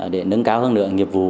để nâng cao hơn nửa nghiệp vụ